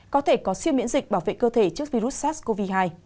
có thể có siêu miễn dịch bảo vệ cơ thể trước virus sars cov hai